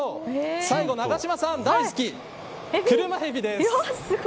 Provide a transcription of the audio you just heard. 最後、永島さん大好き車えびです。